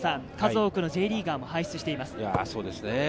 数多くのＪリーガーも輩出しています。